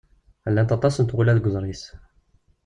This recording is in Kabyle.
Llant aṭas n tɣula deg uḍris.